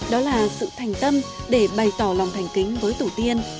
đó là sự thành tâm để bày tỏ lòng thành kính với tổ tiên